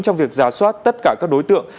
trong việc giả soát tất cả các đối tượng